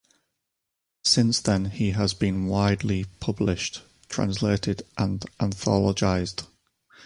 Since then he has been widely published, translated and anthologised.